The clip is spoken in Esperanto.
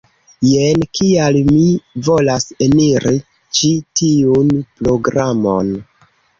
Jen kial mi volas eniri ĉi tiun programon